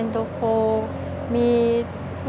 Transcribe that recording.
สวัสดีค่ะ